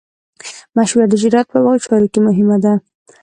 مشوره د تجارت په چارو کې مهمه ده.